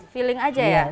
feeling aja ya